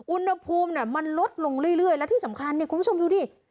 อุณหภูมิมันลดลงเรื่อยและที่สำคัญเนี่ยคุณผู้ชมดูดิ